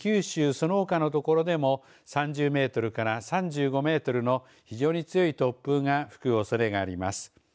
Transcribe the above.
そのほかの所でも３０メートルから３５メートルの非常に強い突風が吹くおそれがあります。